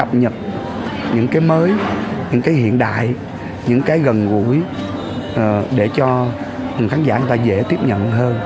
cập nhật những cái mới những cái hiện đại những cái gần gũi để cho khán giả người ta dễ tiếp nhận hơn